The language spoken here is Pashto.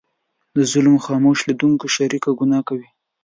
د ظلم خاموش لیدونکی شریکه ګناه کوي.